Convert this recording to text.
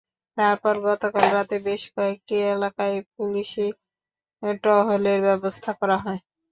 তারপরও গতকাল রাতে বেশ কয়েকটি এলাকায় পুলিশি টহলের ব্যবস্থা করা হয়।